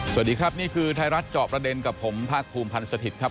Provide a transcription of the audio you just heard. สวัสดีครับนี่คือไทยรัฐเจาะประเด็นกับผมภาคภูมิพันธ์สถิตย์ครับ